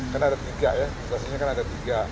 kan ada tiga ya saksinya kan ada tiga